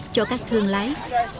cho các thương lái